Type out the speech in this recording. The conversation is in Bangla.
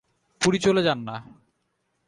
পুরী চলে যান না?